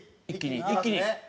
一気に？